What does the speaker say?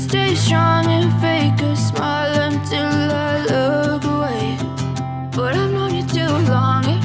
tapi aku tahu kau terlalu lama